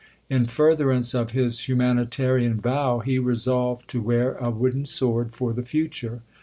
In furtherance of his humani tarian vow he resolved to wear a wooden sword for the future.